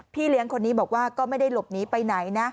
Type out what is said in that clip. เลี้ยงคนนี้บอกว่าก็ไม่ได้หลบหนีไปไหนนะ